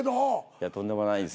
いやとんでもないです